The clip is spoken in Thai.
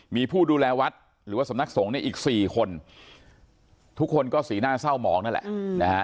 มีผู้ดูแลวัดหรือว่าสำนักสงฆ์เนี่ยอีก๔คนทุกคนก็สีหน้าเศร้าหมองนั่นแหละนะฮะ